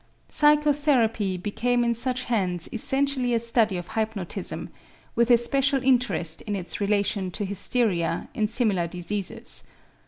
Psychotherapy became in such hands essentially a study of hypnotism, with especial interest in its relation to hysteria and similar diseases.